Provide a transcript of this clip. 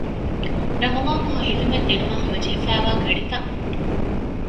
ރަމަޟާންމަހު ޚިދުމަތް ދިނުމަށް ހަމަޖެހިފައިވާ ގަޑިތައް